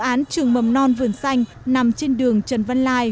dự án trường mầm non vườn xanh nằm trên đường trần văn lai